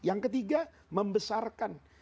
yang ketiga membesarkan